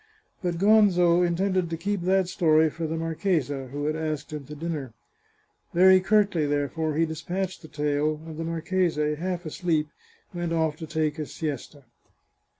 But Gonzo intended to keep that story for the marchesa, who had asked him to dinner. Very curtly, therefore, he despatched the tale, and the marchese, half asleep, went oflF to take his siesta.